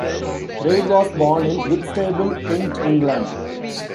Reid was born in Whitstable, Kent, England.